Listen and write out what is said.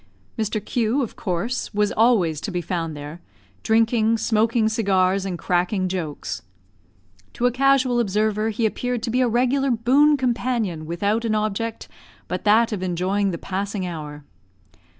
Mr Q , of course, was always to be found there, drinking, smoking cigars, and cracking jokes. To a casual observer he appeared to be a regular boon companion without an object but that of enjoying the passing hour.